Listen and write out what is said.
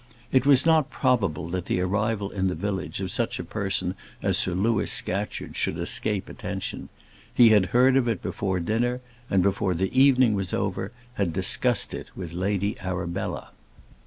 It was not probable that the arrival in the village of such a person as Sir Louis Scatcherd should escape attention. He had heard of it before dinner, and, before the evening was over, had discussed it with Lady Arabella.